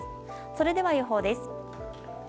それでは予報です。